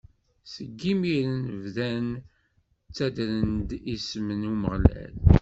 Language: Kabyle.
Seg imiren, bdan ttaddren-d isem n Umeɣlal.